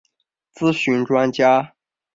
咨询专家